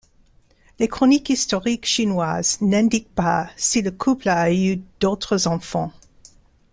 Les chroniques historiques chinoises n'indiquent pas si le couple a eu d'autres enfants.